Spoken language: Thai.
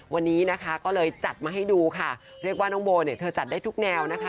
วันนี้นะคะก็เลยจัดมาให้ดูค่ะเรียกว่าน้องโบเนี่ยเธอจัดได้ทุกแนวนะคะ